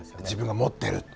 自分が持っている。